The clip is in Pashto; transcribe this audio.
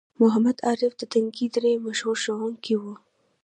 محمد عارف د تنگي درې مشهور ښوونکی وو